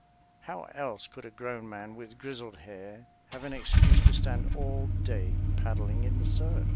How else could a grown man with grizzled hair have an excuse to stand all day paddling in the surf?